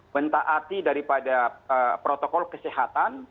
mentaati daripada protokol kesehatan